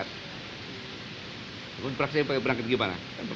iya kenapa jadi seperti itu saya laporkan ini ya sudah tidak usah berangkat